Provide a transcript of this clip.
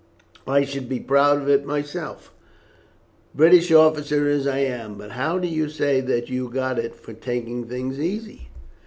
I should be proud of it myself, British officer as I am. But how do you say that you got it for taking things easy?"